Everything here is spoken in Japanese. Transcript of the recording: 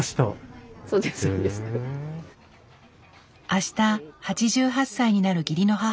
あした８８歳になる義理の母。